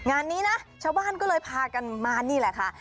งานนี้นะชาวบ้านก็เลยพากันมานี่แหละค่ะ